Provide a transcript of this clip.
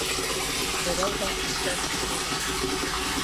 Берәү ҙә күктән төшмәгән.